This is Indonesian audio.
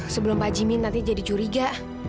sebelum pak jimin nanti jadi curiga